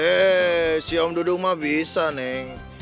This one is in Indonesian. eh si om dudung mbah bisa neng